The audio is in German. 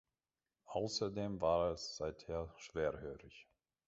Außerdem war er seither schwerhörig.